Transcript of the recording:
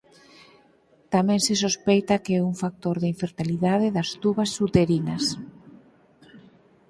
Tamén se sospeita que é un factor de infertilidade das tubas uterinas.